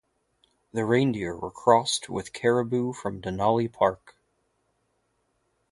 The reindeer were crossed with caribou from Denali Park.